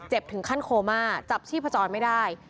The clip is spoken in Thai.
ถึงขั้นโคม่าจับชีพจรไม่ได้